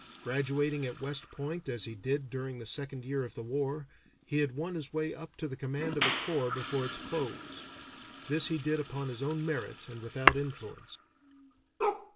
Graduating at West Point as he did during the second year of the war, he had won his way up to the command of a corps before its close. This he did upon his own merit and without influence."